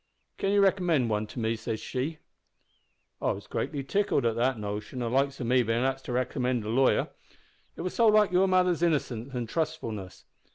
"`Can you recommend one to me?' says she. "I was greatly tickled at the notion o' the likes o' me bein' axed to recommend a lawyer. It was so like your mother's innocence and trustfulness.